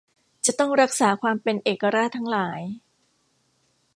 จะต้องรักษาความเป็นเอกราชทั้งหลาย